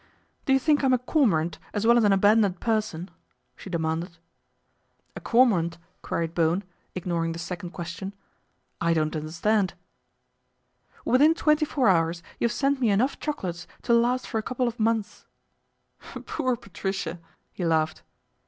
" Do you think I'm a cormorant, as well as an abandoned person ?" she demanded. PATRICIA'S REVENGE 67 " A cormorant ?" queried Bo wen, ignoring the second question. " I don't understand." " Within twenty four hours you have sent me enough chocolates to last for a couple of months/' " Poor Patricia !" he laughed.